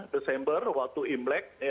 desember waktu imlek